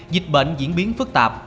dịch bệnh diễn biến phức tạp